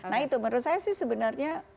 nah itu menurut saya sih sebenarnya